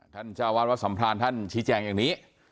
เจ้าวาดวัดสัมพรานท่านชี้แจงอย่างนี้